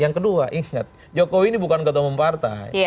yang kedua ingat jokowi ini bukan ketua mempartai